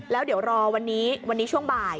แล้วเดี๋ยวรอวันนี้วันนี้ช่วงบ่าย